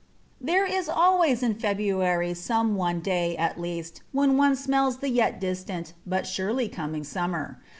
There is always in February some one day, at least, when one smells the yet distant, but surely coming, summer.